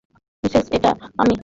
Mrs, এটা আমি!